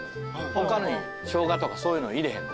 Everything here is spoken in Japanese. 他にショウガとかそういうの入れへん。